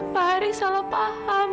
pak haris salah paham